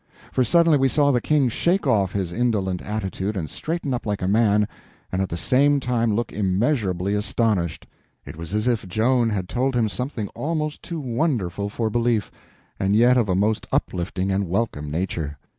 For suddenly we saw the King shake off his indolent attitude and straighten up like a man, and at the same time look immeasurably astonished. It was as if Joan had told him something almost too wonderful for belief, and yet of a most uplifting and welcome nature.